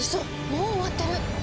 もう終わってる！